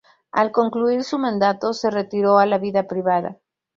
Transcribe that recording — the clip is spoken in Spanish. Al concluir su mandato se retiró a la vida privada.